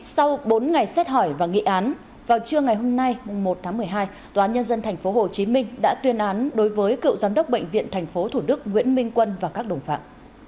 sau bốn ngày xét hỏi và nghị án vào trưa ngày hôm nay một tháng một mươi hai tòa án nhân dân tp hcm đã tuyên án đối với cựu giám đốc bệnh viện tp thủ đức nguyễn minh quân và các đồng phạm